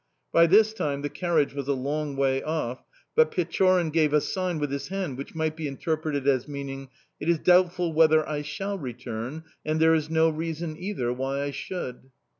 By this time the carriage was a long way off, but Pechorin made a sign with his hand which might be interpreted as meaning: "It is doubtful whether I shall return, and there is no reason, either, why I should!"